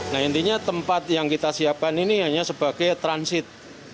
nah intinya tempat yang kita siapkan ini hanya sebagai transit